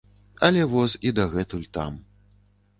Але воз і дагэтуль там.